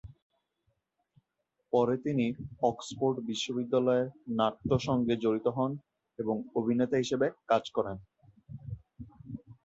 পরে তিনি অক্সফোর্ড বিশ্ববিদ্যালয়ের নাট্য সংঘে জড়িত হন এবং অভিনেতা হিসেবে কাজ করেন।